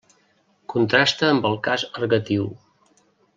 Contrasta amb el cas ergatiu.